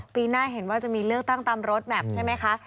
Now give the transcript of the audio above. ปีหน้าเห็นว่าจะมีเลือกตั้งตามรถแมพใช่ไหมคะ